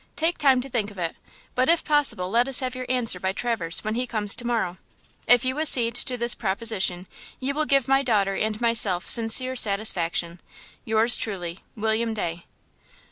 Take time to think of it, but if possible let us have your answer by Traverse when he comes to morrow. If you accede to this proposition you will give my daughter and myself sincere satisfaction. Yours truly, WILLIAM DAY.